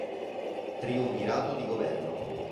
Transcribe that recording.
Triumvirato di governo